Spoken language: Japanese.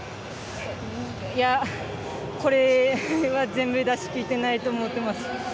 いやこれは全部出しきってないと思っています。